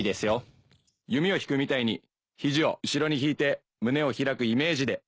弓を引くみたいに肘を後ろに引いて胸を開くイメージで。